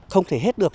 không thể hết được